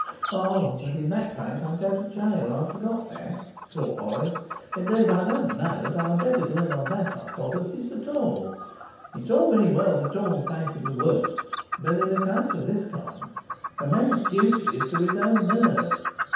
'O, but in that case I go to gaol; I had forgot that,' thought Morris. 'Indeed, I don't know that I had better dwell on that hypothesis at all; it's all very well to talk of facing the worst; but in a case of this kind a man's first duty is to his own nerve.